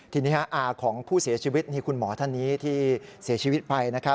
ทีนี้อาของผู้เสียชีวิตนี่คุณหมอท่านนี้ที่เสียชีวิตไป